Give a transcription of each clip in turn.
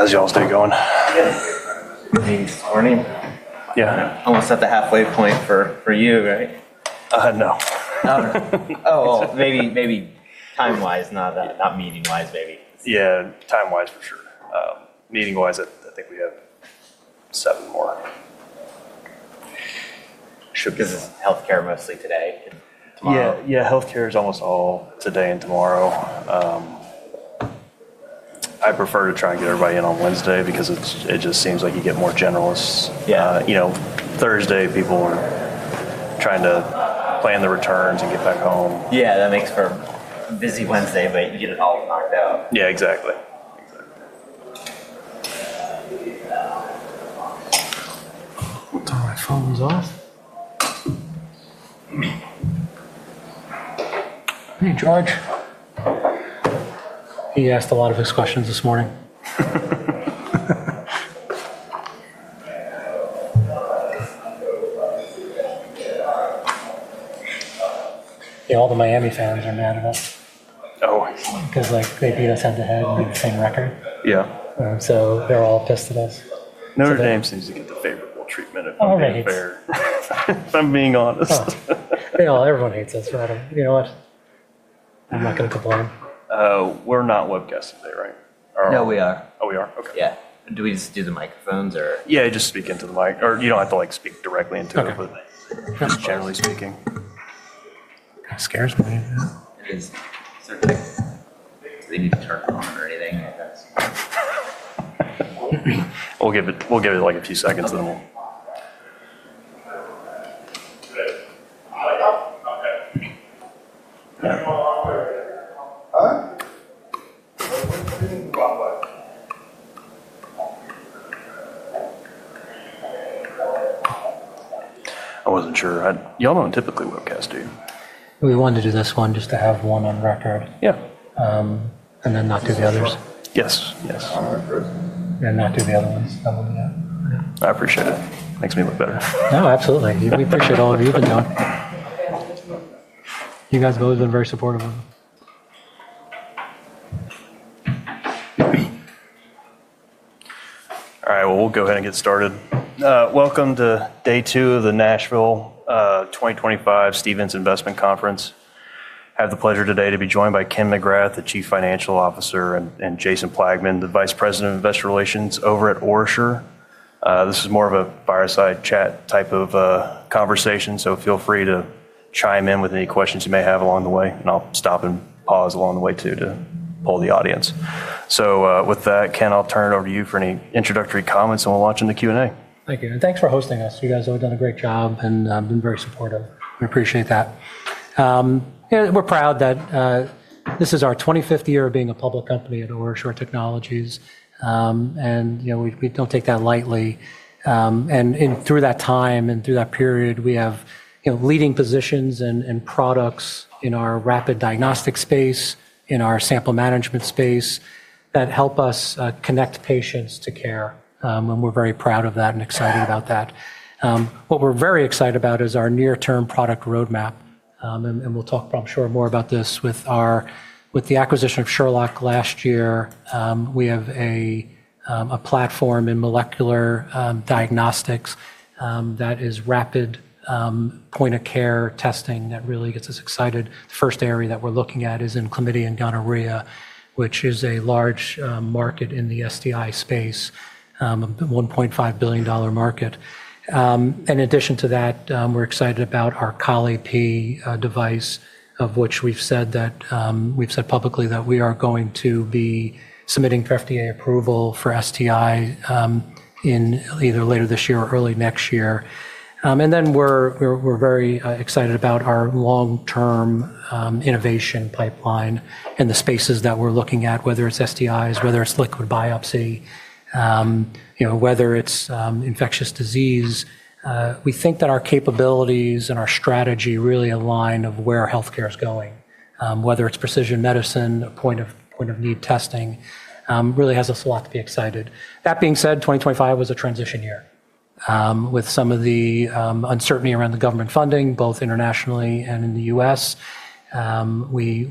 How's y'all's day going? Good. Morning. Yeah. Almost at the halfway point for you, right? No. Oh, maybe time-wise, not meeting-wise, maybe. Yeah, time-wise for sure. Meeting-wise, I think we have seven more. Should be healthcare mostly today and tomorrow. Yeah, healthcare is almost all today and tomorrow. I prefer to try and get everybody in on Wednesday because it just seems like you get more generalists. Thursday, people are trying to plan their returns and get back home. Yeah, that makes for a busy Wednesday, but you get it all knocked out. Yeah, exactly. What time are my phones off? Hey, George. He asked a lot of his questions this morning. Yeah, all the Miami fans are mad at us. Oh, I see. Because they beat us head-to-head and beat the same record. Yeah. They're all pissed at us. Notre Dame seems to get the favorable treatment of being fair, if I'm being honest. Everyone hates us, Robin. You know what? I'm not going to complain. We're not webcasting today, right? No, we are. Oh, we are? Okay. Yeah. Do we just do the microphones or? Yeah, just speak into the mic. Or you don't have to speak directly into it, but generally speaking. Scares me a bit. It is. Certainly. They need to turn it on or anything. We'll give it a few seconds, and then we'll. I wasn't sure. Y'all don't typically webcast, do you? We wanted to do this one just to have one on record. Yeah. Not do the others. Yes. Do the other ones. I appreciate it. Makes me look better. No, absolutely. We appreciate all of you for doing it. You guys have always been very supportive of us. All right, we'll go ahead and get started. Welcome to day two of the Nashville 2025 Stephens Investment Conference. I have the pleasure today to be joined by Ken McGrath, the Chief Financial Officer, and Jason Plagman, the Vice President of Investor Relations over at OraSure. This is more of a fireside chat type of conversation, so feel free to chime in with any questions you may have along the way, and I'll stop and pause along the way too to poll the audience. With that, Ken, I'll turn it over to you for any introductory comments and we'll launch into Q&A. Thank you. Thank you for hosting us. You guys have done a great job and been very supportive. We appreciate that. We're proud that this is our 25th year of being a public company at OraSure Technologies, and we don't take that lightly. Through that time and through that period, we have leading positions and products in our rapid diagnostic space, in our sample management space that help us connect patients to care, and we're very proud of that and excited about that. What we're very excited about is our near-term product roadmap, and we'll talk, I'm sure, more about this with the acquisition of Sherlock last year. We have a platform in molecular diagnostics that is rapid point-of-care testing that really gets us excited. The first area that we're looking at is in chlamydia and gonorrhea, which is a large market in the STI space, a $1.5 billion market. In addition to that, we're excited about our Colli-Pee device, of which we've said publicly that we are going to be submitting for FDA approval for STI either later this year or early next year. We are very excited about our long-term innovation pipeline and the spaces that we're looking at, whether it's STIs, whether it's liquid biopsy, whether it's infectious disease. We think that our capabilities and our strategy really align with where healthcare is going, whether it's precision medicine, point-of-need testing, really has us a lot to be excited. That being said, 2025 was a transition year with some of the uncertainty around the government funding, both internationally and in the U.S..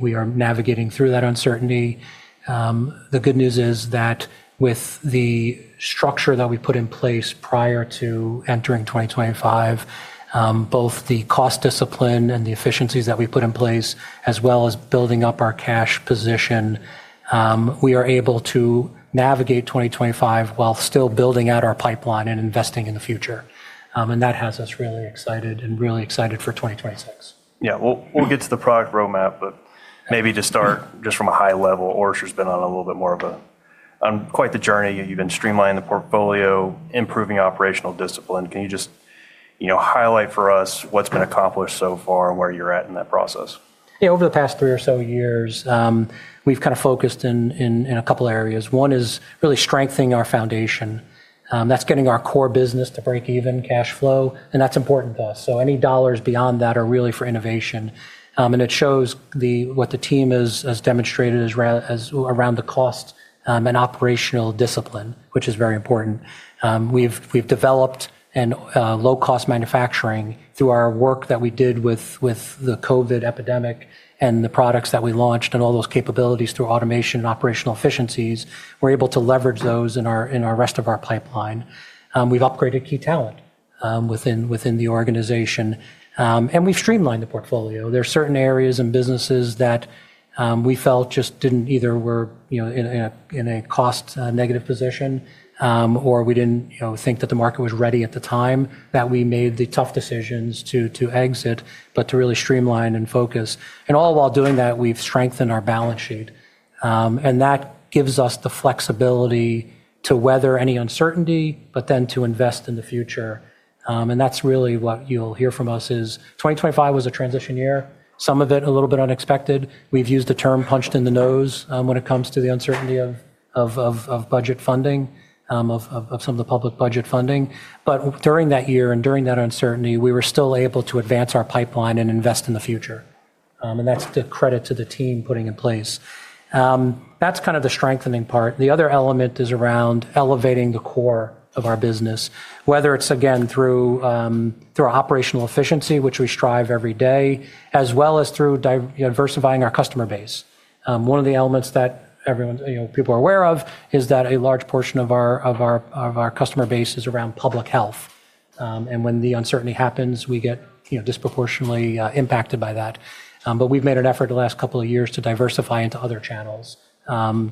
We are navigating through that uncertainty. The good news is that with the structure that we put in place prior to entering 2025, both the cost discipline and the efficiencies that we put in place, as well as building up our cash position, we are able to navigate 2025 while still building out our pipeline and investing in the future. That has us really excited and really excited for 2026. Yeah, we'll get to the product roadmap, but maybe to start just from a high level, OraSure's been on a little bit more of quite the journey. You've been streamlining the portfolio, improving operational discipline. Can you just highlight for us what's been accomplished so far and where you're at in that process? Yeah, over the past three or so years, we've kind of focused in a couple of areas. One is really strengthening our foundation. That's getting our core business to break even cash flow, and that's important to us. Any dollars beyond that are really for innovation. It shows what the team has demonstrated around the cost and operational discipline, which is very important. We've developed low-cost manufacturing through our work that we did with the COVID epidemic and the products that we launched and all those capabilities through automation and operational efficiencies. We're able to leverage those in the rest of our pipeline. We've upgraded key talent within the organization, and we've streamlined the portfolio. There are certain areas and businesses that we felt just didn't either were in a cost-negative position or we didn't think that the market was ready at the time that we made the tough decisions to exit, to really streamline and focus. All while doing that, we've strengthened our balance sheet. That gives us the flexibility to weather any uncertainty, to invest in the future. That's really what you'll hear from us is 2025 was a transition year, some of it a little bit unexpected. We've used the term punched in the nose when it comes to the uncertainty of budget funding, of some of the public budget funding. During that year and during that uncertainty, we were still able to advance our pipeline and invest in the future. That's the credit to the team putting in place. That's kind of the strengthening part. The other element is around elevating the core of our business, whether it's, again, through operational efficiency, which we strive every day, as well as through diversifying our customer base. One of the elements that people are aware of is that a large portion of our customer base is around public health. When the uncertainty happens, we get disproportionately impacted by that. We have made an effort the last couple of years to diversify into other channels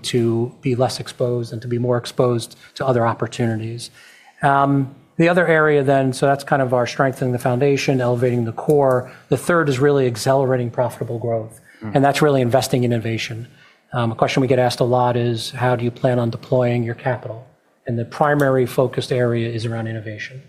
to be less exposed and to be more exposed to other opportunities. The other area then, that's kind of our strengthening the foundation, elevating the core. The third is really accelerating profitable growth. That's really investing in innovation. A question we get asked a lot is, how do you plan on deploying your capital? The primary focused area is around innovation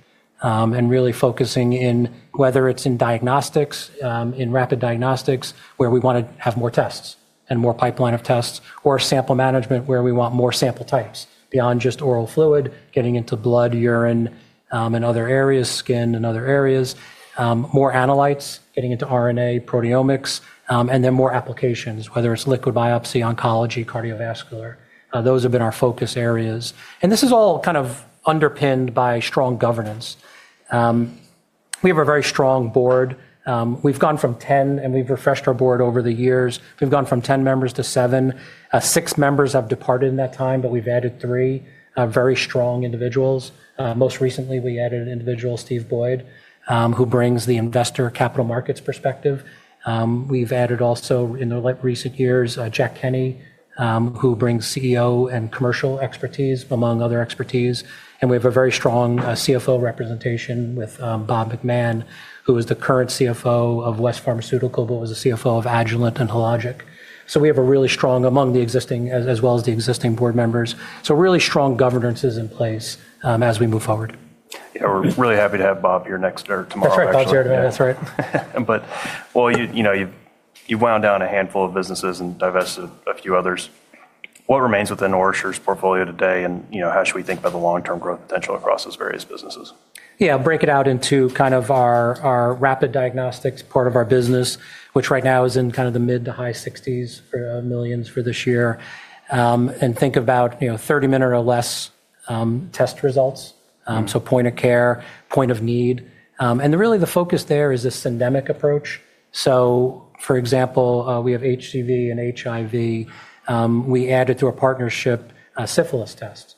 and really focusing in whether it's in diagnostics, in rapid diagnostics, where we want to have more tests and more pipeline of tests, or sample management where we want more sample types beyond just oral fluid, getting into blood, urine, and other areas, skin and other areas, more analytes, getting into RNA, proteomics, and then more applications, whether it's liquid biopsy, oncology, cardiovascular. Those have been our focus areas. This is all kind of underpinned by strong governance. We have a very strong board. We've gone from 10, and we've refreshed our board over the years. We've gone from 10 members to 7. Six members have departed in that time, but we've added three very strong individuals. Most recently, we added an individual, Steve Boyd, who brings the investor capital markets perspective. We've added also in the recent years, Jack Kenny, who brings CEO and commercial expertise among other expertise. We have a very strong CFO representation with Bob McMahon, who is the current CFO of West Pharmaceutical, but was a CFO of Agilent and Hologic. We have a really strong among the existing as well as the existing board members. Really strong governance is in place as we move forward. We're really happy to have Bob here next or tomorrow. That's right. Bob's here tomorrow. That's right. Well, you've wound down a handful of businesses and divested a few others. What remains within OraSure's portfolio today, and how should we think about the long-term growth potential across those various businesses? Yeah, break it out into kind of our rapid diagnostics part of our business, which right now is in kind of the mid to high $60 million for this year. And think about 30-minute or less test results. Point of care, point of need. Really the focus there is this syndemic approach. For example, we have HCV and HIV. We added through a partnership syphilis test.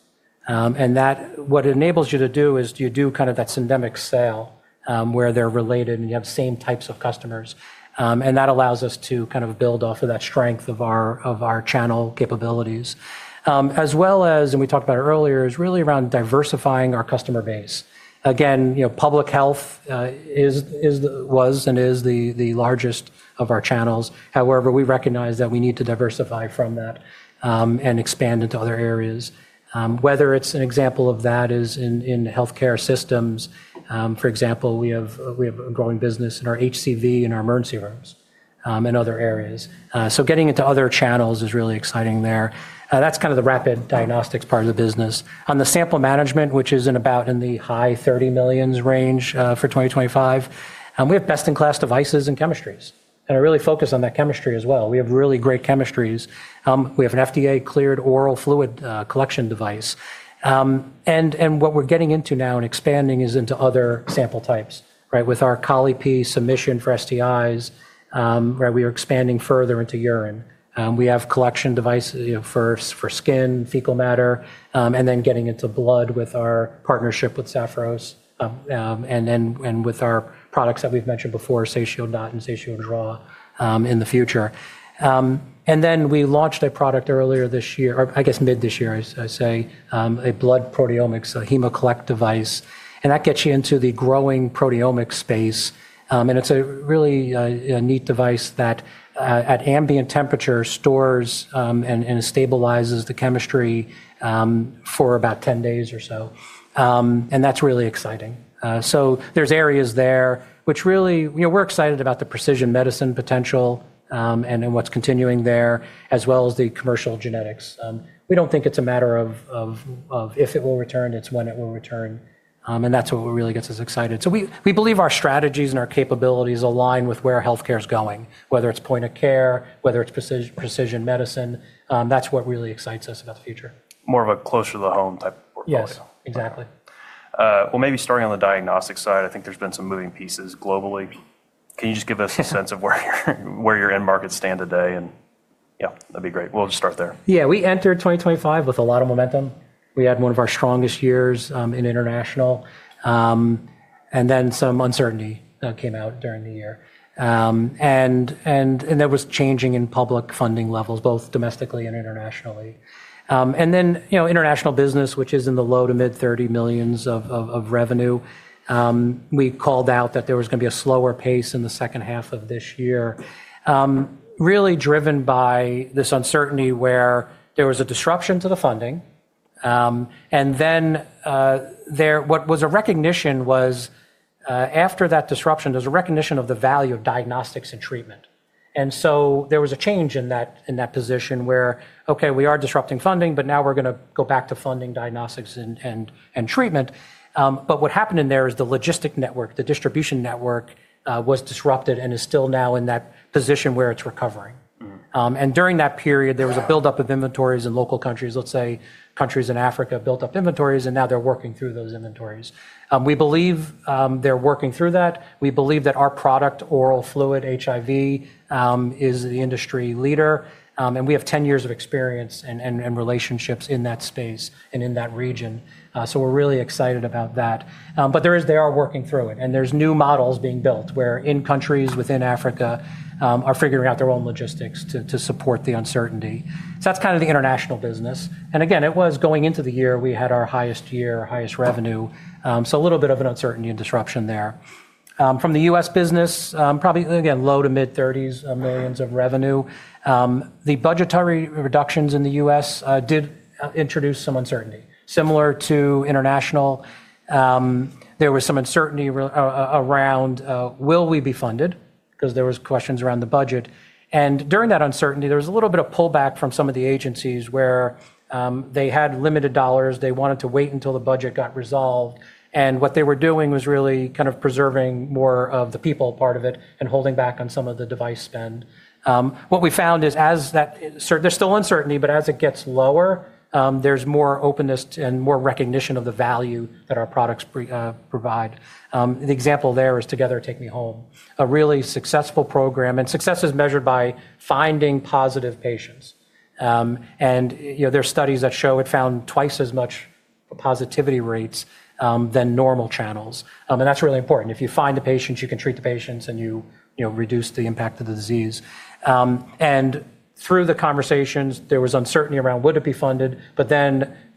What it enables you to do is you do kind of that syndemic sale where they're related and you have same types of customers. That allows us to kind of build off of that strength of our channel capabilities. As well as, and we talked about it earlier, is really around diversifying our customer base. Again, public health was and is the largest of our channels. However, we recognize that we need to diversify from that and expand into other areas. Whether it's an example of that is in healthcare systems. For example, we have a growing business in our HCV and our emergency rooms and other areas. Getting into other channels is really exciting there. That is kind of the rapid diagnostics part of the business. On the sample management, which is in about the high $30 million range for 2025, we have best-in-class devices and chemistries. I really focus on that chemistry as well. We have really great chemistries. We have an FDA-cleared oral fluid collection device. What we are getting into now and expanding is into other sample types. With our Colli-Pee submission for STIs, we are expanding further into urine. We have collection devices for skin, fecal matter, and then getting into blood with our partnership with Sapphiros and with our products that we've mentioned before, SatioDot and SatioDraw in the future. We launched a product earlier this year, or I guess mid this year, I say, a blood proteomics, a HemoCollect device. That gets you into the growing proteomics space. It is a really neat device that at ambient temperature stores and stabilizes the chemistry for about 10 days or so. That is really exciting. There are areas there, which really we're excited about the precision medicine potential and what's continuing there, as well as the commercial genetics. We do not think it's a matter of if it will return, it's when it will return. That is what really gets us excited. We believe our strategies and our capabilities align with where healthcare is going, whether it's point of care, whether it's precision medicine. That's what really excites us about the future. More of a closer-to-the-home type of portfolio. Yes, exactly. Maybe starting on the diagnostic side, I think there's been some moving pieces globally. Can you just give us a sense of where your end markets stand today? Yeah, that'd be great. We'll just start there. Yeah, we entered 2025 with a lot of momentum. We had one of our strongest years in international. There was some uncertainty that came out during the year. That was changing in public funding levels, both domestically and internationally. The international business, which is in the low to mid $30 million of revenue, we called out that there was going to be a slower pace in the second half of this year, really driven by this uncertainty where there was a disruption to the funding. What was a recognition was after that disruption, there is a recognition of the value of diagnostics and treatment. There was a change in that position where, okay, we are disrupting funding, but now we are going to go back to funding diagnostics and treatment. What happened in there is the logistic network, the distribution network was disrupted and is still now in that position where it's recovering. During that period, there was a buildup of inventories in local countries, let's say countries in Africa built up inventories, and now they're working through those inventories. We believe they're working through that. We believe that our product, oral fluid, HIV, is the industry leader. We have 10 years of experience and relationships in that space and in that region. We're really excited about that. They are working through it. There are new models being built where countries within Africa are figuring out their own logistics to support the uncertainty. That's kind of the international business. Going into the year we had our highest year, highest revenue. A little bit of an uncertainty and disruption there. From the U.S. business, probably, again, low to mid $30 million of revenue. The budgetary reductions in the U.S. did introduce some uncertainty. Similar to international, there was some uncertainty around, will we be funded? Because there were questions around the budget. During that uncertainty, there was a little bit of pullback from some of the agencies where they had limited dollars. They wanted to wait until the budget got resolved. What they were doing was really kind of preserving more of the people part of it and holding back on some of the device spend. What we found is that there's still uncertainty, but as it gets lower, there's more openness and more recognition of the value that our products provide. The example there is Together TakeMeHome, a really successful program. Success is measured by finding positive patients. There are studies that show it found twice as much positivity rates than normal channels. That is really important. If you find the patients, you can treat the patients and you reduce the impact of the disease. Through the conversations, there was uncertainty around whether it would be funded.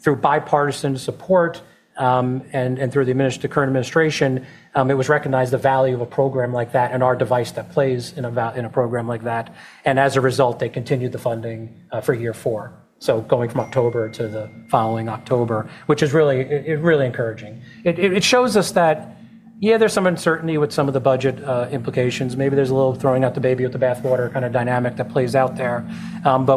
Through bipartisan support and through the current administration, it was recognized the value of a program like that and our device that plays in a program like that. As a result, they continued the funding for year four, going from October to the following October, which is really encouraging. It shows us that, yeah, there is some uncertainty with some of the budget implications. Maybe there is a little throwing out the baby with the bathwater kind of dynamic that plays out there.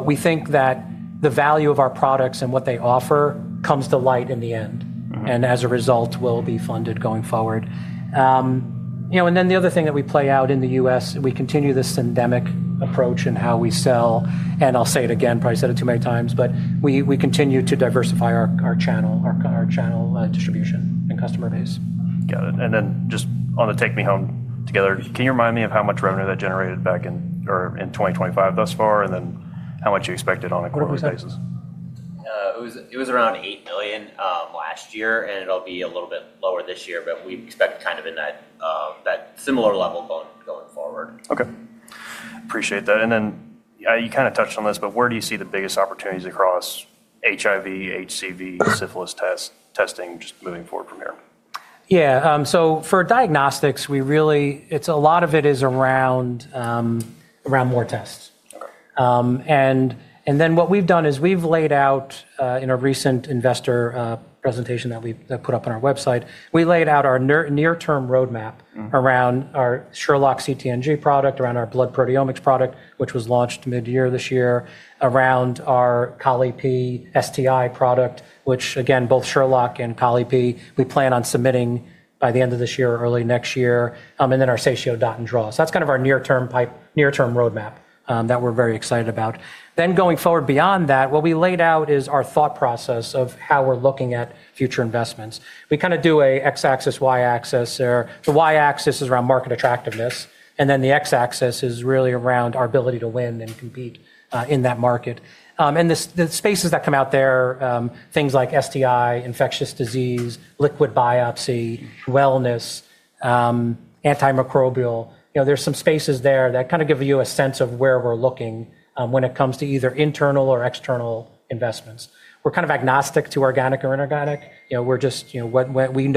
We think that the value of our products and what they offer comes to light in the end. As a result, will be funded going forward. The other thing that we play out in the U.S., we continue this syndemic approach in how we sell. I'll say it again, probably said it too many times, but we continue to diversify our channel distribution and customer base. Got it. And then just on the TakeMeHome together, can you remind me of how much revenue that generated back in or in 2025 thus far, and then how much you expected on a quarterly basis? It was around $8 million last year, and it'll be a little bit lower this year, but we expect kind of in that similar level going forward. Okay. Appreciate that. You kind of touched on this, but where do you see the biggest opportunities across HIV, HCV, syphilis testing just moving forward from here? Yeah. For diagnostics, we really, it's a lot of it is around more tests. What we've done is we've laid out in a recent investor presentation that we put up on our website, we laid out our near-term roadmap around our Sherlock's CT/NG product, around our blood proteomics product, which was launched mid-year this year, around our Colli-Pee STI product, which again, both Sherlock and Colli-Pee, we plan on submitting by the end of this year, early next year, and then our SatioDot and Draw. That's kind of our near-term roadmap that we're very excited about. Going forward beyond that, what we laid out is our thought process of how we're looking at future investments. We kind of do an X-axis, Y-axis there. The Y-axis is around market attractiveness, and then the X-axis is really around our ability to win and compete in that market. The spaces that come out there, things like STI, infectious disease, liquid biopsy, wellness, antimicrobial, there's some spaces there that kind of give you a sense of where we're looking when it comes to either internal or external investments. We're kind of agnostic to organic or inorganic. We just know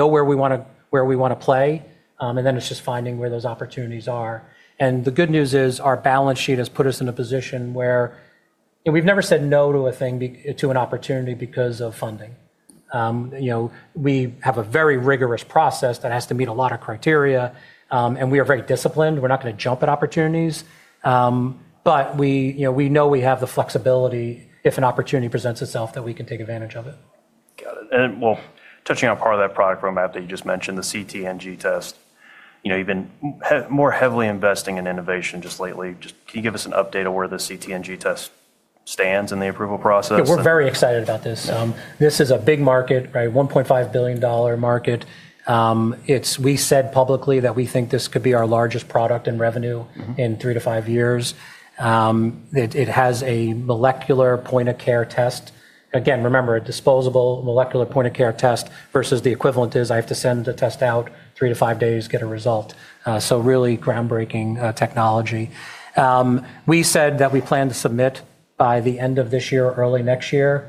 where we want to play, and then it's just finding where those opportunities are. The good news is our balance sheet has put us in a position where we've never said no to an opportunity because of funding. We have a very rigorous process that has to meet a lot of criteria, and we are very disciplined. We're not going to jump at opportunities, but we know we have the flexibility if an opportunity presents itself that we can take advantage of it. Got it. Touching on part of that product roadmap that you just mentioned, the CT/NG test, you've been more heavily investing in innovation just lately. Can you give us an update of where the CT/NG test stands in the approval process? Yeah, we're very excited about this. This is a big market, right? $1.5 billion market. We said publicly that we think this could be our largest product in revenue in three to five years. It has a molecular point of care test. Again, remember, a disposable molecular point of care test versus the equivalent is I have to send the test out three to five days, get a result. Really groundbreaking technology. We said that we plan to submit by the end of this year, early next year.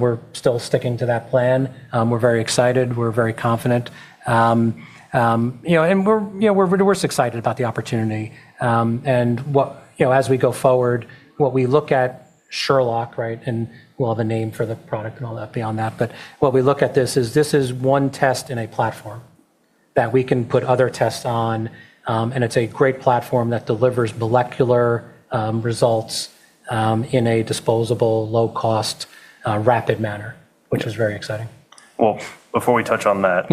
We're still sticking to that plan. We're very excited. We're very confident. We're excited about the opportunity. As we go forward, what we look at Sherlock, right? We'll have a name for the product and all that beyond that. What we look at is this is one test in a platform that we can put other tests on, and it's a great platform that delivers molecular results in a disposable, low-cost, rapid manner, which was very exciting. Before we touch on that,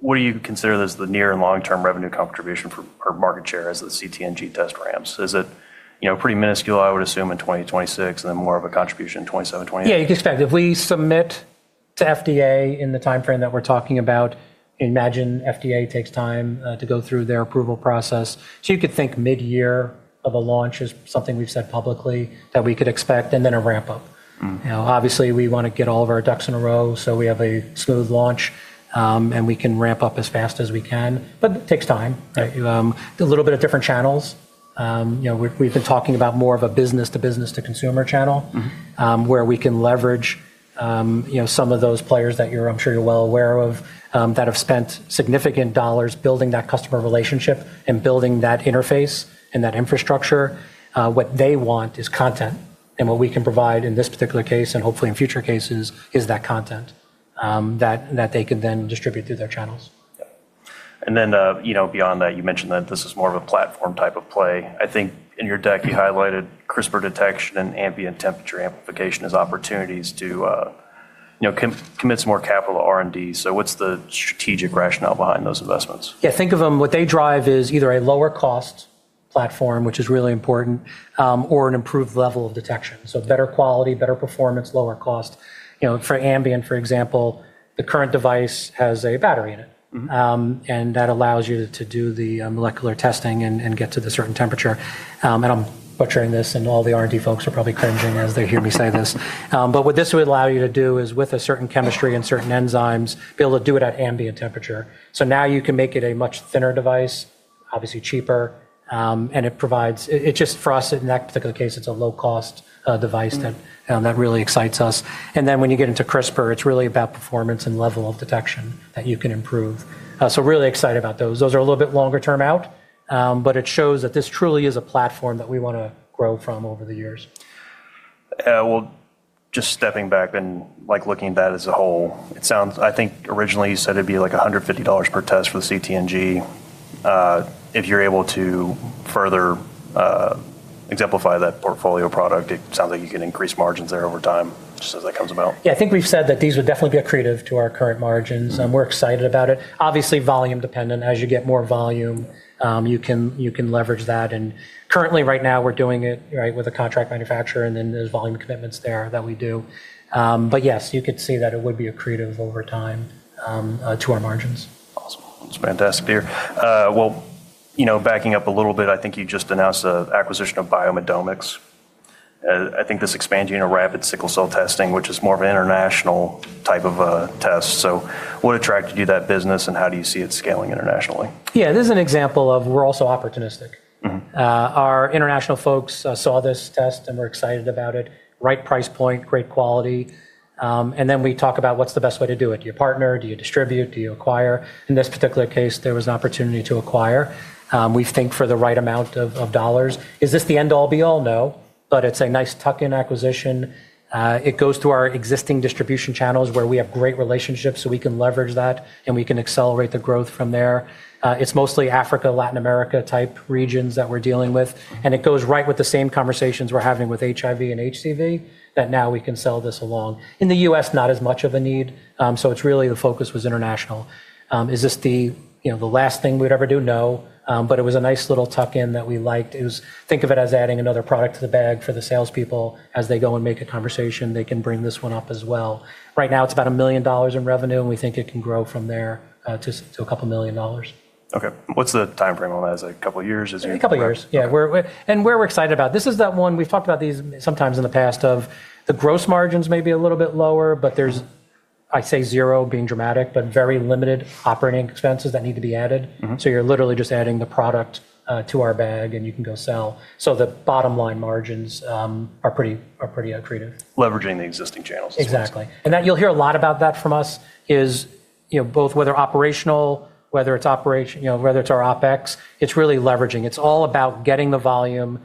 what do you consider as the near and long-term revenue contribution for market share as the CT/NG test ramps? Is it pretty minuscule, I would assume, in 2026, and then more of a contribution in 2027? Yeah, you can expect if we submit to FDA in the timeframe that we're talking about, imagine FDA takes time to go through their approval process. You could think mid-year of a launch is something we've said publicly that we could expect, and then a ramp-up. Obviously, we want to get all of our ducks in a row so we have a smooth launch and we can ramp up as fast as we can. It takes time, right? A little bit of different channels. We've been talking about more of a business-to-business-to-consumer channel where we can leverage some of those players that I'm sure you're well aware of that have spent significant dollars building that customer relationship and building that interface and that infrastructure. What they want is content. What we can provide in this particular case and hopefully in future cases is that content that they could then distribute through their channels. You mentioned that this is more of a platform type of play. I think in your deck, you highlighted CRISPR detection and ambient temperature amplification as opportunities to commit some more capital to R&D. What is the strategic rationale behind those investments? Yeah, think of them, what they drive is either a lower-cost platform, which is really important, or an improved level of detection. So better quality, better performance, lower cost. For ambient, for example, the current device has a battery in it. That allows you to do the molecular testing and get to the certain temperature. I am butchering this, and all the R&D folks are probably cringing as they hear me say this. What this would allow you to do is, with a certain chemistry and certain enzymes, be able to do it at ambient temperature. Now you can make it a much thinner device, obviously cheaper, and it provides it just for us. In that particular case, it is a low-cost device that really excites us. When you get into CRISPR, it is really about performance and level of detection that you can improve. Really excited about those. Those are a little bit longer term out, but it shows that this truly is a platform that we want to grow from over the years. Just stepping back and looking at that as a whole, it sounds I think originally you said it'd be like $150 per test for the CT/NG. If you're able to further exemplify that portfolio product, it sounds like you can increase margins there over time just as that comes about. Yeah, I think we've said that these would definitely be accretive to our current margins. We're excited about it. Obviously, volume dependent. As you get more volume, you can leverage that. Currently, right now, we're doing it with a contract manufacturer, and there are volume commitments there that we do. Yes, you could see that it would be accretive over time to our margins. Awesome. That's fantastic to hear. Backing up a little bit, I think you just announced the acquisition of BioMedomics. I think this is expanding into rapid sickle cell testing, which is more of an international type of test. What attracted you to that business, and how do you see it scaling internationally? Yeah, this is an example of we're also opportunistic. Our international folks saw this test, and we're excited about it. Right price point, great quality. We talk about what's the best way to do it. Do you partner? Do you distribute? Do you acquire? In this particular case, there was an opportunity to acquire. We think for the right amount of dollars. Is this the end-all, be-all? No. It is a nice tuck-in acquisition. It goes through our existing distribution channels where we have great relationships, so we can leverage that, and we can accelerate the growth from there. It's mostly Africa, Latin America type regions that we're dealing with. It goes right with the same conversations we're having with HIV and HCV that now we can sell this along. In the U.S., not as much of a need. The focus was international. Is this the last thing we'd ever do? No. It was a nice little tuck-in that we liked. Think of it as adding another product to the bag for the salespeople. As they go and make a conversation, they can bring this one up as well. Right now, it's about $1 million in revenue, and we think it can grow from there to a couple of million dollars. Okay. What's the timeframe on that? Is it a couple of years? A couple of years. Yeah. We are excited about this. One, we have talked about these sometimes in the past, the gross margins may be a little bit lower, but there is, I say zero being dramatic, but very limited operating expenses that need to be added. You are literally just adding the product to our bag, and you can go sell. The bottom line margins are pretty accretive. Leveraging the existing channels. Exactly. You will hear a lot about that from us, whether operational, whether it's our OpEx, it's really leveraging. It's all about getting the volume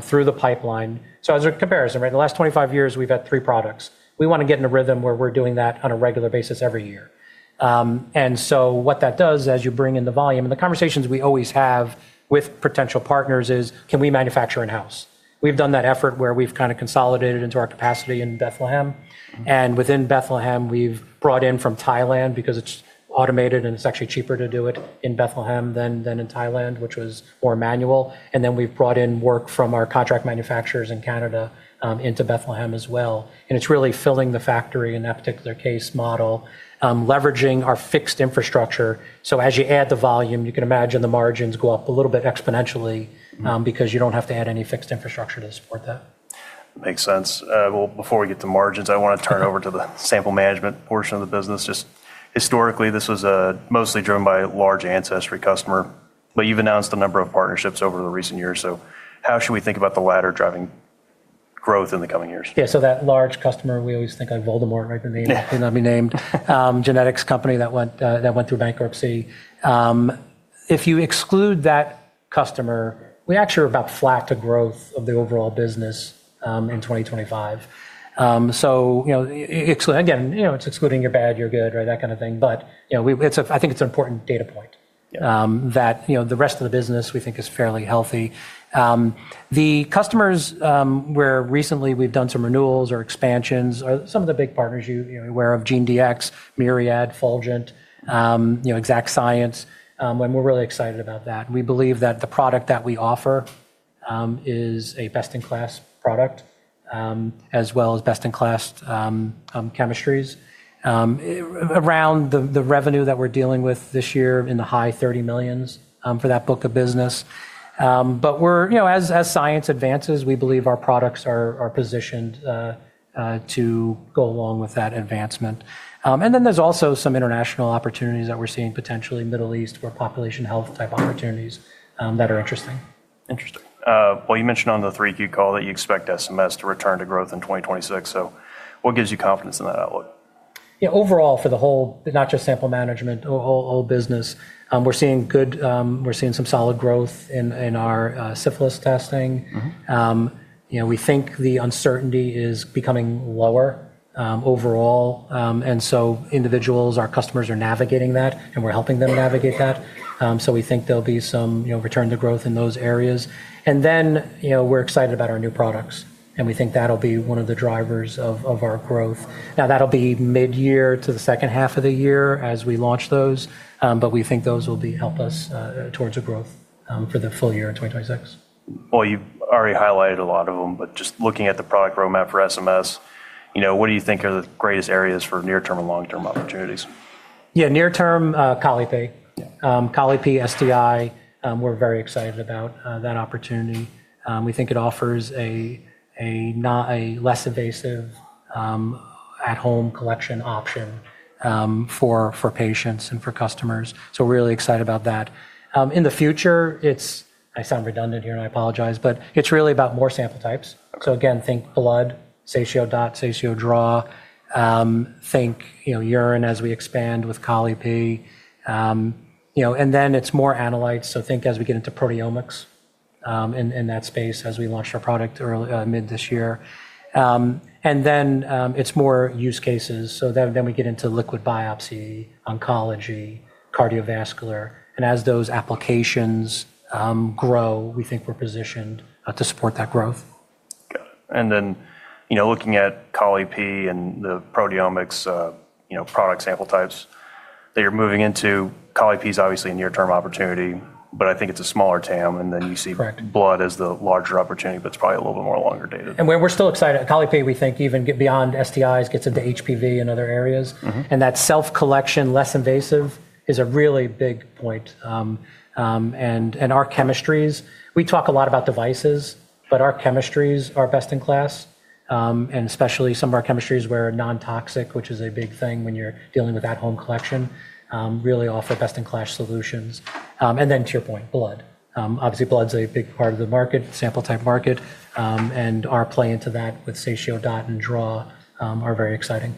through the pipeline. As a comparison, in the last 25 years, we've had three products. We want to get in a rhythm where we're doing that on a regular basis every year. What that does is as you bring in the volume, and the conversations we always have with potential partners is, can we manufacture in-house? We've done that effort where we've kind of consolidated into our capacity in Bethlehem. Within Bethlehem, we've brought in from Thailand because it's automated and it's actually cheaper to do it in Bethlehem than in Thailand, which was more manual. We've brought in work from our contract manufacturers in Canada into Bethlehem as well. It is really filling the factory in that particular case model, leveraging our fixed infrastructure. As you add the volume, you can imagine the margins go up a little bit exponentially because you do not have to add any fixed infrastructure to support that. Makes sense. Before we get to margins, I want to turn it over to the sample management portion of the business. Just historically, this was mostly driven by a large ancestry customer, but you've announced a number of partnerships over the recent years. How should we think about the latter driving growth in the coming years? Yeah, so that large customer, we always think of Voldemort, right? Yeah. May not be named. Genetics company that went through bankruptcy. If you exclude that customer, we actually are about flat to growth of the overall business in 2025. Again, it's excluding your bad, your good, right? That kind of thing. I think it's an important data point that the rest of the business we think is fairly healthy. The customers where recently we've done some renewals or expansions are some of the big partners you're aware of: GeneDx, Myriad, Fulgent, Exact Sciences. We're really excited about that. We believe that the product that we offer is a best-in-class product as well as best-in-class chemistries. Around the revenue that we're dealing with this year in the high $30 million for that book of business. As science advances, we believe our products are positioned to go along with that advancement. There are also some international opportunities that we are seeing potentially in the Middle East for population health type opportunities that are interesting. Interesting. You mentioned on the three-year call that you expect SMS to return to growth in 2026. What gives you confidence in that outlook? Yeah, overall for the whole, not just sample management, whole business, we're seeing good, we're seeing some solid growth in our syphilis testing. We think the uncertainty is becoming lower overall. Individuals, our customers are navigating that, and we're helping them navigate that. We think there'll be some return to growth in those areas. We're excited about our new products, and we think that'll be one of the drivers of our growth. That'll be mid-year to the second half of the year as we launch those, but we think those will help us towards a growth for the full year in 2026. You've already highlighted a lot of them, but just looking at the product roadmap for SMS, what do you think are the greatest areas for near-term and long-term opportunities? Yeah, near-term, Colli-Pee. Colli-Pee, STI, we're very excited about that opportunity. We think it offers a less invasive at-home collection option for patients and for customers. So we're really excited about that. In the future, I sound redundant here, and I apologize, but it's really about more sample types. Again, think blood, SatioDot, SatioDraw. Think urine as we expand with Colli-Pee. And then it's more analytes. As we get into proteomics in that space as we launched our product mid this year. Then it's more use cases. We get into liquid biopsy, oncology, cardiovascular. As those applications grow, we think we're positioned to support that growth. Got it. And then looking at Colli-Pee and the proteomics product sample types that you're moving into, Colli-Pee is obviously a near-term opportunity, but I think it's a smaller TAM. And then you see blood as the larger opportunity, but it's probably a little bit more longer dated. We're still excited. Colli-Pee, we think even beyond STIs, gets into HPV and other areas. That self-collection, less invasive, is a really big point. Our chemistries, we talk a lot about devices, but our chemistries are best in class. Especially some of our chemistries are non-toxic, which is a big thing when you're dealing with at-home collection, really offer best-in-class solutions. To your point, blood. Obviously, blood's a big part of the market, sample type market. Our play into that with SatioDot and SatioDraw are very exciting.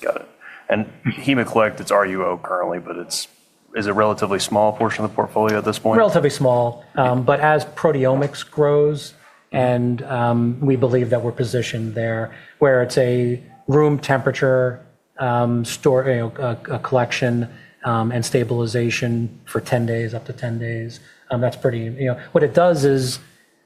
Got it. And HemoCollect, it's RUO currently, but is it a relatively small portion of the portfolio at this point? Relatively small. As proteomics grows, and we believe that we're positioned there where it's a room temperature collection and stabilization for up to 10 days, that's pretty—what it does is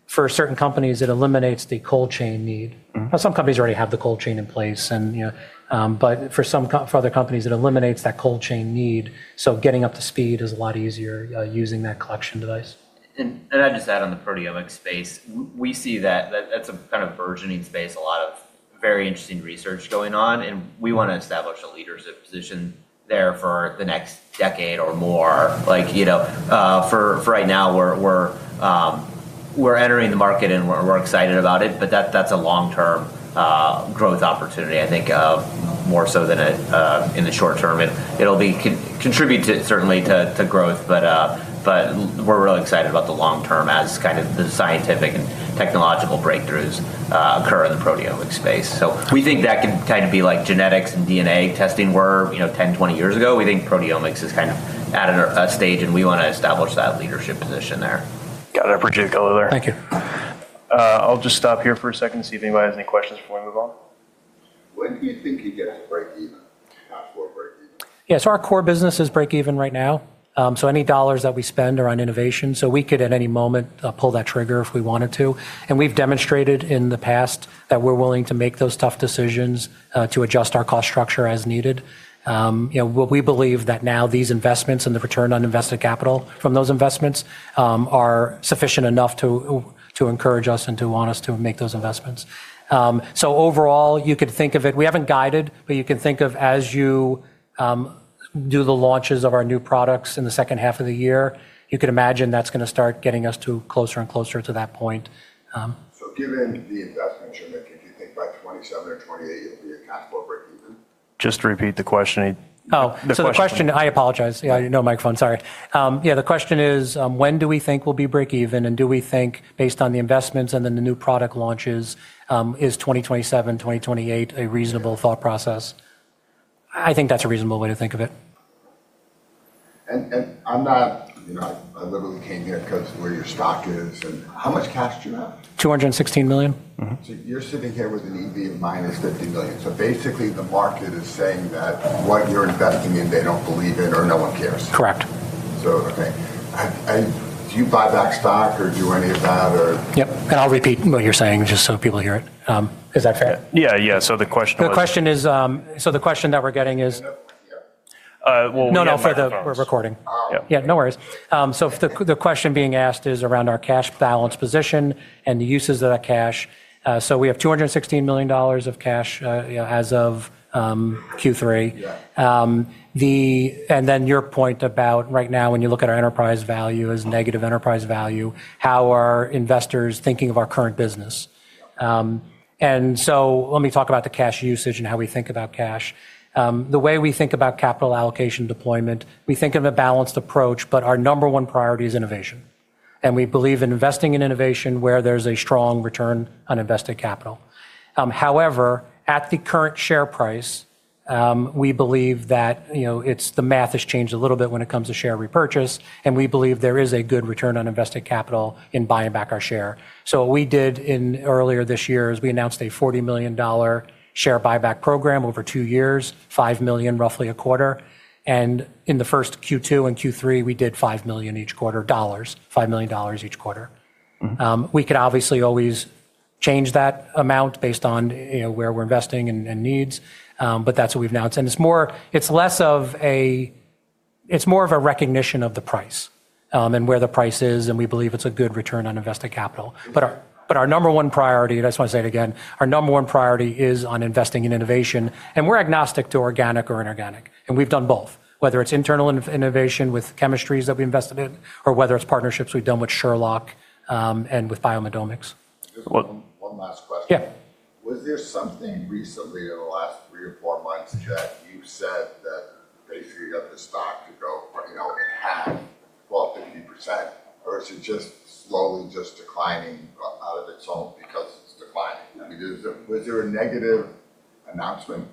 for certain companies, it eliminates the cold chain need. Now, some companies already have the cold chain in place. For other companies, it eliminates that cold chain need. Getting up to speed is a lot easier using that collection device. I'd just add on the proteomics space. We see that that's a kind of burgeoning space, a lot of very interesting research going on. We want to establish a leadership position there for the next decade or more. For right now, we're entering the market, and we're excited about it. That's a long-term growth opportunity, I think, more so than in the short term. It'll contribute certainly to growth, but we're really excited about the long term as kind of the scientific and technological breakthroughs occur in the proteomics space. We think that can kind of be like genetics and DNA testing were 10, 20 years ago. We think proteomics is kind of at a stage, and we want to establish that leadership position there. Got it. Appreciate it, all you there. Thank you. I'll just stop here for a second and see if anybody has any questions before we move on. When do you think you get to break even? Yeah, so our core business is break even right now. Any dollars that we spend are on innovation. We could at any moment pull that trigger if we wanted to. We have demonstrated in the past that we're willing to make those tough decisions to adjust our cost structure as needed. We believe that now these investments and the return on invested capital from those investments are sufficient enough to encourage us and to want us to make those investments. Overall, you could think of it we haven't guided, but you can think of as you do the launches of our new products in the second half of the year, you could imagine that's going to start getting us closer and closer to that point. Given the investment you're making, do you think by 2027 or 2028, you'll be at kind of a break even? Just to repeat the question. Oh, the question, I apologize. Yeah, no microphone, sorry. Yeah, the question is, when do we think we'll be break even? And do we think, based on the investments and then the new product launches, is 2027-2028 a reasonable thought process? I think that's a reasonable way to think of it. I'm not, I literally came here because where your stock is. How much cash do you have? $216 million. You're sitting here with an EV of -$50 million. Basically, the market is saying that what you're investing in, they do not believe in or no one cares. Correct. Okay. Do you buy back stock or do any of that or? Yep. I'll repeat what you're saying just so people hear it. Is that fair? Yeah, yeah. The question was. The question that we're getting is. No, no, for the recording. Yeah, no worries. The question being asked is around our cash balance position and the uses of that cash. We have $216 million of cash as of Q3. Your point about right now, when you look at our enterprise value as negative enterprise value, how are investors thinking of our current business? Let me talk about the cash usage and how we think about cash. The way we think about capital allocation deployment, we think of a balanced approach, but our number one priority is innovation. We believe in investing in innovation where there's a strong return on invested capital. However, at the current share price, we believe that the math has changed a little bit when it comes to share repurchase, and we believe there is a good return on invested capital in buying back our share. What we did earlier this year is we announced a $40 million share buyback program over two years, $5 million, roughly a quarter. In the first Q2 and Q3, we did $5 million each quarter, $5 million each quarter. We could obviously always change that amount based on where we're investing and needs, but that's what we've announced. It's less of a, it's more of a recognition of the price and where the price is, and we believe it's a good return on invested capital. Our number one priority, and I just want to say it again, our number one priority is on investing in innovation. We're agnostic to organic or inorganic. We've done both, whether it's internal innovation with chemistries that we invested in or whether it's partnerships we've done with Sherlock and with BioMedomics. One last question. Yeah. Was there something recently in the last three or four months that you said that basically got the stock to go in half, or is it just slowly just declining out of its own because it's declining? I mean, was there a negative announcement?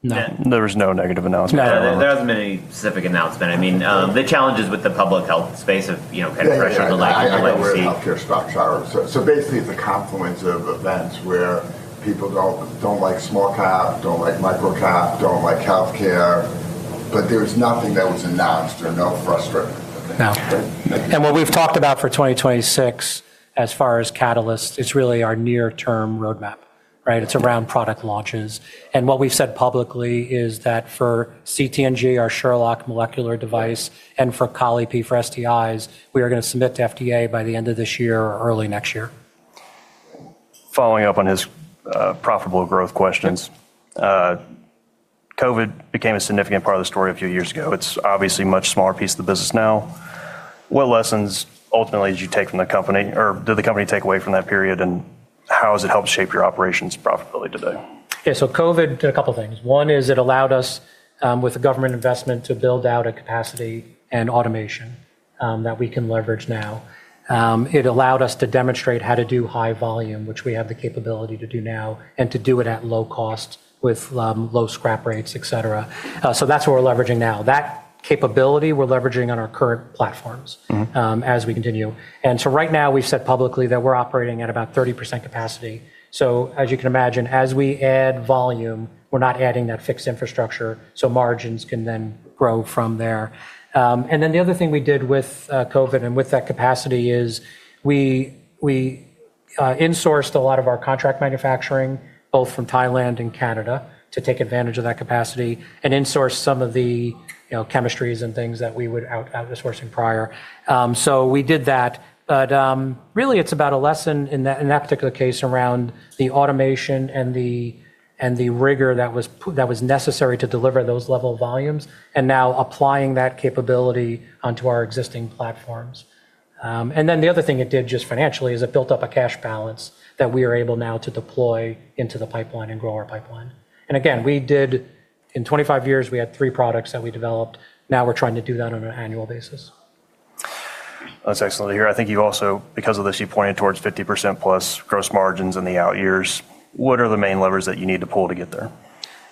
No. There was no negative announcement. There wasn't any specific announcement. I mean, the challenges with the public health space of kind of pressures on legacy. Healthcare stocks are. Basically, it's a confluence of events where people don't like small cap, don't like micro cap, don't like healthcare, but there was nothing that was announced or no frustration. No. What we've talked about for 2026 as far as catalysts, it's really our near-term roadmap, right? It's around product launches. What we've said publicly is that for CT/NG, our Sherlock molecular device, and for Colli-Pee for STIs, we are going to submit to FDA by the end of this year or early next year. Following up on his profitable growth questions, COVID became a significant part of the story a few years ago. It's obviously a much smaller piece of the business now. What lessons ultimately did you take from the company, or did the company take away from that period, and how has it helped shape your operations' profitability today? Yeah, so COVID did a couple of things. One is it allowed us, with government investment, to build out a capacity and automation that we can leverage now. It allowed us to demonstrate how to do high volume, which we have the capability to do now, and to do it at low cost with low scrap rates, etc. That is what we are leveraging now. That capability, we are leveraging on our current platforms as we continue. Right now, we have said publicly that we are operating at about 30% capacity. As you can imagine, as we add volume, we are not adding that fixed infrastructure. Margins can then grow from there. The other thing we did with COVID and with that capacity is we insourced a lot of our contract manufacturing, both from Thailand and Canada, to take advantage of that capacity and insource some of the chemistries and things that we were outsourcing prior. We did that. Really, it's about a lesson in that particular case around the automation and the rigor that was necessary to deliver those level volumes and now applying that capability onto our existing platforms. The other thing it did just financially is it built up a cash balance that we are able now to deploy into the pipeline and grow our pipeline. Again, we did in 25 years, we had three products that we developed. Now we're trying to do that on an annual basis. That's excellent to hear. I think you also, because of this, you pointed towards 50% plus gross margins in the out years. What are the main levers that you need to pull to get there?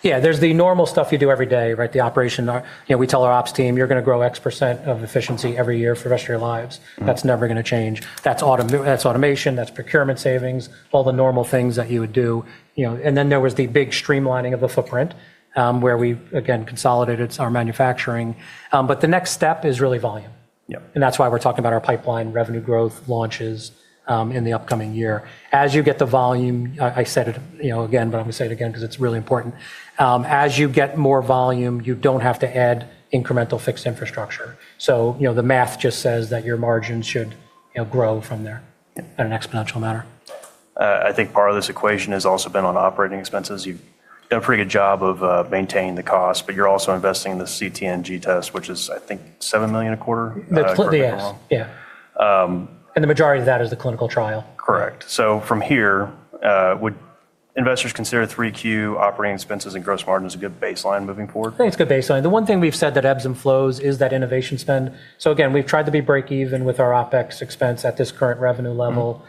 Yeah, there's the normal stuff you do every day, right? The operation, we tell our ops team, you're going to grow X% of efficiency every year for the rest of your lives. That's never going to change. That's automation, that's procurement savings, all the normal things that you would do. There was the big streamlining of the footprint where we, again, consolidated our manufacturing. The next step is really volume. That's why we're talking about our pipeline revenue growth launches in the upcoming year. As you get the volume, I said it again, but I'm going to say it again because it's really important. As you get more volume, you don't have to add incremental fixed infrastructure. The math just says that your margins should grow from there in an exponential manner. I think part of this equation has also been on operating expenses. You've done a pretty good job of maintaining the cost, but you're also investing in the CT/NG test, which is, I think, $7 million a quarter. Yeah. The majority of that is the clinical trial. Correct. From here, would investors consider 3Q operating expenses and gross margins a good baseline moving forward? I think it's a good baseline. The one thing we've said that ebbs and flows is that innovation spend. Again, we've tried to be break even with our OpEx expense at this current revenue level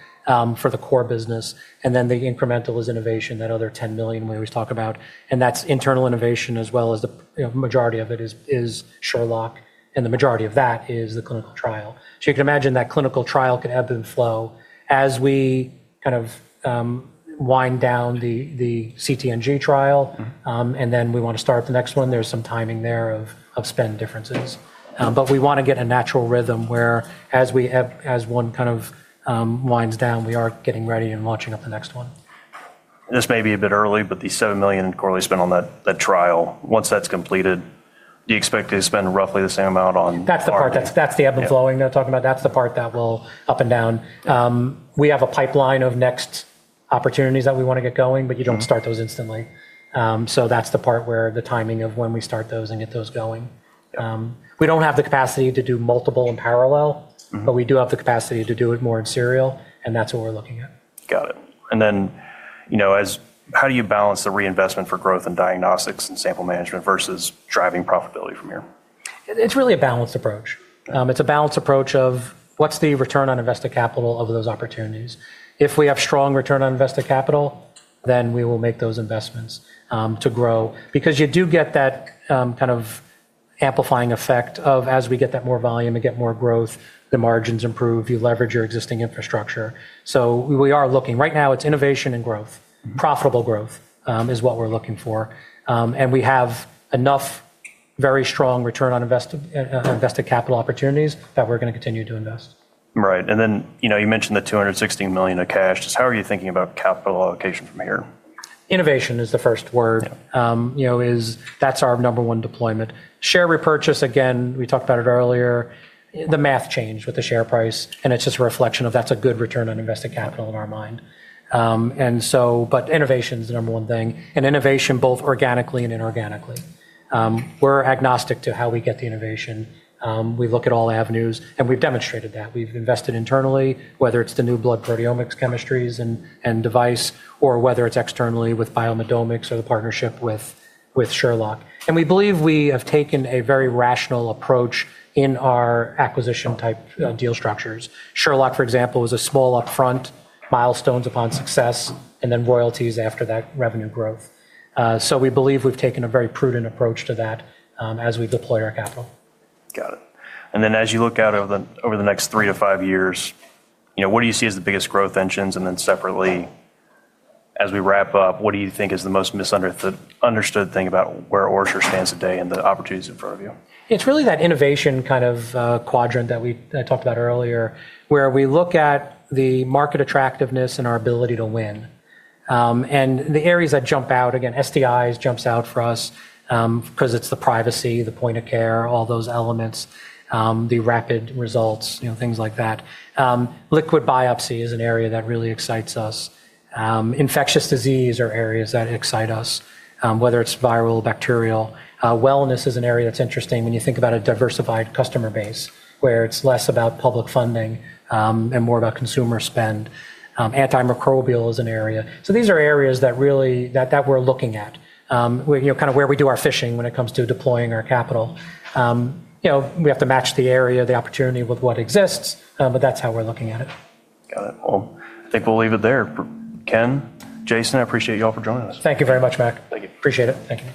for the core business. The incremental is innovation, that other $10 million we always talk about. That's internal innovation as well as the majority of it is Sherlock, and the majority of that is the clinical trial. You can imagine that clinical trial can ebb and flow as we kind of wind down the CT/NG trial, and then we want to start the next one. There's some timing there of spend differences. We want to get a natural rhythm where as one kind of winds down, we are getting ready and launching up the next one. This may be a bit early, but the $7 million correlates been on that trial. Once that's completed, do you expect to spend roughly the same amount on? That's the part that's the ebb and flowing that I'm talking about. That's the part that will up and down. We have a pipeline of next opportunities that we want to get going, but you don't start those instantly. That's the part where the timing of when we start those and get those going. We don't have the capacity to do multiple in parallel, but we do have the capacity to do it more in serial, and that's what we're looking at. Got it. How do you balance the reinvestment for growth in diagnostics and sample management versus driving profitability from here? It's really a balanced approach. It's a balanced approach of what's the return on invested capital of those opportunities? If we have strong return on invested capital, then we will make those investments to grow because you do get that kind of amplifying effect of as we get that more volume and get more growth, the margins improve, you leverage your existing infrastructure. We are looking right now, it's innovation and growth. Profitable growth is what we're looking for. We have enough very strong return on invested capital opportunities that we're going to continue to invest. Right. You mentioned the $216 million of cash. Just how are you thinking about capital allocation from here? Innovation is the first word. That's our number one deployment. Share repurchase, again, we talked about it earlier. The math changed with the share price, and it's just a reflection of that's a good return on invested capital in our mind. Innovation is the number one thing. Innovation, both organically and inorganically. We're agnostic to how we get the innovation. We look at all avenues, and we've demonstrated that. We've invested internally, whether it's the new blood proteomics chemistries and device, or whether it's externally with BioMedomics or the partnership with Sherlock. We believe we have taken a very rational approach in our acquisition type deal structures. Sherlock, for example, was a small upfront, milestones upon success, and then royalties after that revenue growth. We believe we've taken a very prudent approach to that as we deploy our capital. Got it. As you look out over the next three to five years, what do you see as the biggest growth engines? Separately, as we wrap up, what do you think is the most misunderstood thing about where OraSure stands today and the opportunities in front of you? It's really that innovation kind of quadrant that we talked about earlier, where we look at the market attractiveness and our ability to win. The areas that jump out, again, STIs jumps out for us because it's the privacy, the point of care, all those elements, the rapid results, things like that. Liquid biopsy is an area that really excites us. Infectious disease are areas that excite us, whether it's viral, bacterial. Wellness is an area that's interesting when you think about a diversified customer base where it's less about public funding and more about consumer spend. Antimicrobial is an area. These are areas that we're looking at, kind of where we do our fishing when it comes to deploying our capital. We have to match the area, the opportunity with what exists, but that's how we're looking at it. Got it. I think we'll leave it there. Ken, Jason, I appreciate you all for joining us. Thank you very much, Mac. Thank you. Appreciate it. Thank you.